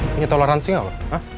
punya toleransi gak lo